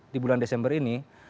di bulan desember ini